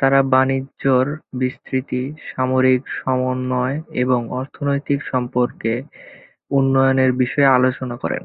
তারা বাণিজ্যের বিস্তৃতি, সামরিক সমন্বয় এবং অর্থনৈতিক সম্পর্কের উন্নয়নের বিষয়ে আলোচনা করেন।